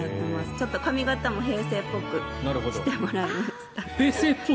ちょっと髪形も平成っぽくしてもらいました。